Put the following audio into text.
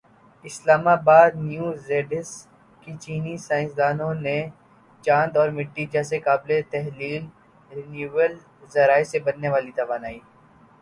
اسلام آبادنیو زڈیسکچینی سائنسدانوں نے چاند اور مٹی جیسے قابلِ تحلیل رینیوایبل ذرائع سے بننے والی توانائی